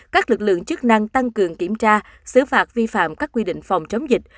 các lực lượng chức năng tăng cường kiểm tra xử phạt vi phạm các quy định phòng chống dịch